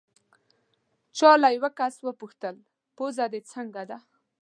چا له یو کس وپوښتل: پوزه دې څنګه ده؟